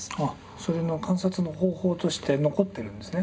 その観察の方法として残ってるんですね。